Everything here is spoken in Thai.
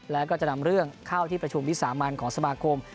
แล้วก็จะนำเรื่องเข้าที่ประชุมวิสามันของสมาคม